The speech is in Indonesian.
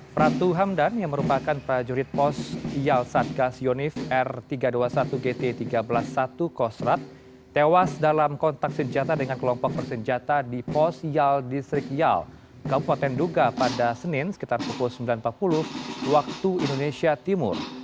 pratu hamdan yang merupakan prajurit pos yal satgas yonif r tiga ratus dua puluh satu gt tiga belas satu kostrat tewas dalam kontak senjata dengan kelompok bersenjata di pos yaal distrik yal kabupaten duga pada senin sekitar pukul sembilan empat puluh waktu indonesia timur